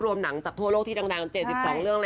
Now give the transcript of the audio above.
ร้อนเล่น